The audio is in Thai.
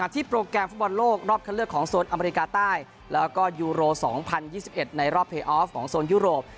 โปรแกรมฟุตบอลโลกรอบคันเลือกของโซนอเมริกาใต้แล้วก็ยูโร๒๐๒๑ในรอบเพย์ออฟของโซนยุโรป